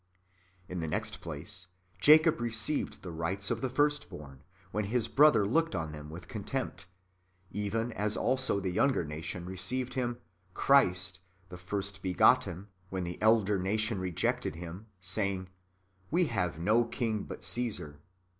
"^ In the next place, [Jacob] received the rights of the first born, when his brother looked on them with con tempt ; even as also the younger nation received Him, Christ, the first begotten, when the elder nation rejected Him, say ing, " We have no king but Caesar."